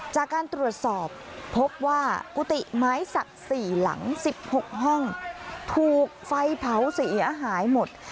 จากการตรวจสอบพบว่ากุฏิไม้สัก๔หลัง๑๖ห้องถูกไฟเผาเสียหายหมด